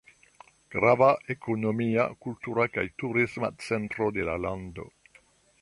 Grava ekonomia, kultura kaj turisma centro de la lando.